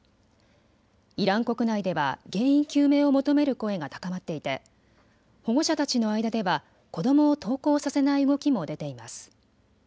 イラン国内では原因究明を求める声が高まっていて保護者たちの間では子どもを登校させない動きも出ています。